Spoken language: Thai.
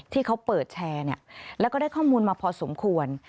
ที่เขาเปิดแชร์แล้วก็ได้ข้อมูลมาพอสมควร